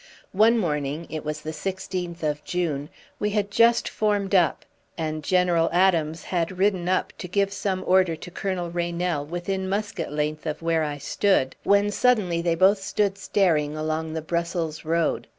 One morning it was the sixteenth of June we had just formed up, and General Adams had ridden up to give some order to Colonel Reynell within a musket length of where I stood, when suddenly they both stood staring along the Brussels road.